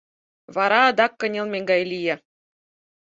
Вара адак кынелме гай лие.